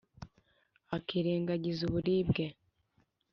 akirengagiza uburibwe,